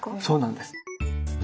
そうなんです。